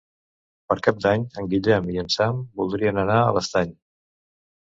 Per Cap d'Any en Guillem i en Sam voldrien anar a l'Estany.